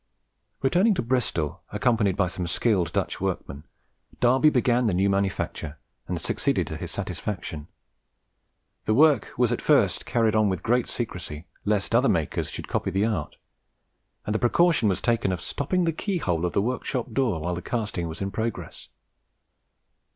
Returning to Bristol, accompanied by some skilled Dutch workmen, Darby began the new manufacture, and succeeded to his satisfaction. The work was at first carried on with great secrecy, lest other makers should copy the art; and the precaution was taken of stopping the keyhole of the workshop door while the casting was in progress.